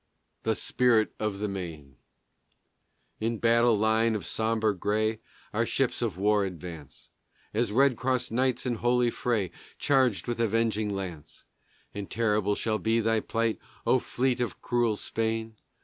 THE SPIRIT OF THE MAINE In battle line of sombre gray Our ships of war advance, As Red Cross Knights in holy fray Charged with avenging lance. And terrible shall be thy plight, O fleet of cruel Spain!